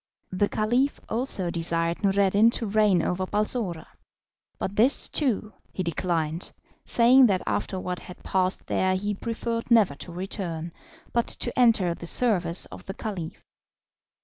The Caliph also desired Noureddin to reign over Balsora, but this, too, he declined, saying that after what had passed there he preferred never to return, but to enter the service of the Caliph.